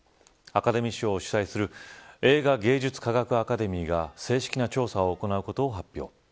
アカデミー賞を主催する映画芸術アカデミーが正式な調査を行うことを発表。